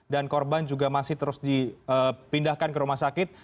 dan korban juga masih terus dipindahkan ke rumah sakit